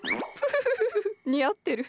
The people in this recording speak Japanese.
フフフフッ似合ってる。